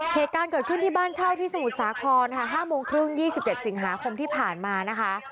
เหตุการณ์เกิดขึ้นที่บ้านเช่าที่สมุทรสาครค่ะ๕โมงครึ่ง๒๗สิงหาคมที่ผ่านมานะคะ